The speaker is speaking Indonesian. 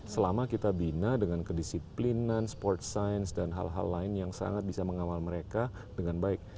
selama kita bina dengan kedisiplinan sport science dan hal hal lain yang sangat bisa mengawal mereka dengan baik